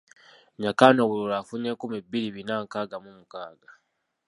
Nyakana obululu afunye nkumi bbiri bina nkaaga mu mukaaga.